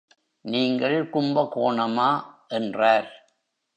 நீங்கள் கும்பகோணமா? என்றார்.